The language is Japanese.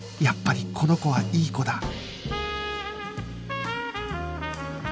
やっぱりこの子はいい子だ